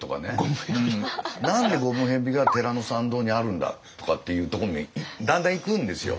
何でゴムヘビが寺の参道にあるんだとかっていうところにだんだんいくんですよ。